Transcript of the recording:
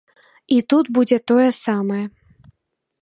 І тут будзе тое самае.